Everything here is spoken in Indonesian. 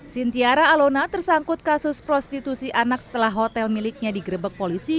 sintiara alona tersangkut kasus prostitusi anak setelah hotel miliknya digerebek polisi